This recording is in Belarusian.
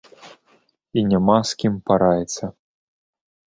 І няма з кім параіцца.